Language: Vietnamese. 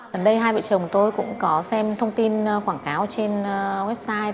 gần đây hai vợ chồng tôi cũng có xem thông tin quảng cáo trên website